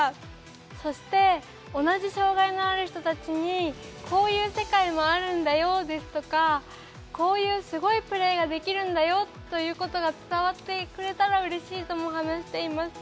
そして同じ障がいのある人たちにこういう世界もあるんだよですとかこういうすごいプレーができるんだよということが伝わってくれたらうれしいとも話していました。